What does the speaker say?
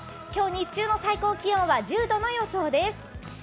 今日、日中の最高気温は１０度の予想です。